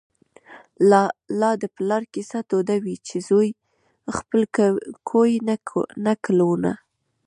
لا د پلار کیسه توده وي چي زوی خپل کوي نکلونه